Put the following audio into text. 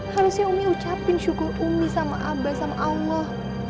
harusnya umi ucapin syukur umi sama abah sama allah